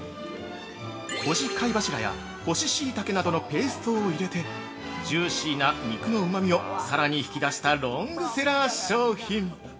干し貝柱や干しシイタケなどのペーストを入れてジューシーな肉のうまみをさらに引き出したロングセラー商品。